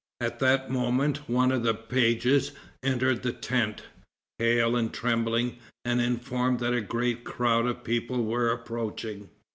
At that moment one of the pages entered the tent, pale and trembling, and informed that a great crowd of people were approaching.